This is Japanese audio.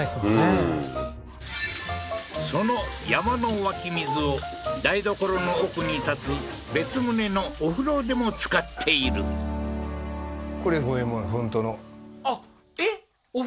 うんその山の湧き水を台所の奥に建つ別棟のお風呂でも使っているえっ！